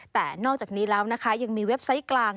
แต่นอกจากนี้แล้วนะคะยังมีเว็บไซต์กลาง